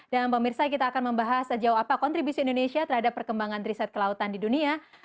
dan mbak mirsa kita akan membahas sejauh apa kontribusi indonesia terhadap perkembangan riset kelautan di dunia